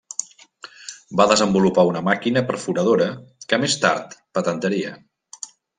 Va desenvolupar una màquina perforadora, que més tard patentaria.